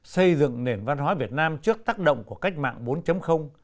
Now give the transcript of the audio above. xây dựng nền văn hóa việt nam trước tác động của cách mạng bốn